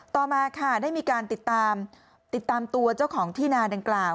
ต่อมาค่ะได้มีการติดตามติดตามตัวเจ้าของที่นาดังกล่าว